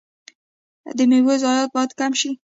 د میوو ضایعات باید کم شي.